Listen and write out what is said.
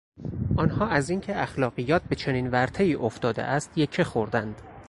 آنها از این که اخلاقیات به چنین ورطهای افتاده است یکه خوردند.